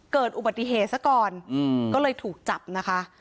เกิดอุบัติเหตุซะก่อนก็เลยถูกจับนะคะ